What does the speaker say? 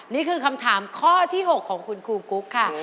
นี่คือคำถามข้อที่๖ของคุณครูกุ๊กค่ะ